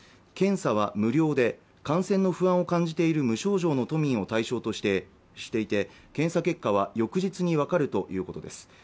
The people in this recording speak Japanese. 検査は無料で感染の不安を感じている無症状の都民を対象としていて検査結果は翌日に分かるということです